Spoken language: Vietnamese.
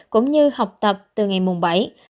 cũng như học tập từ ngày bảy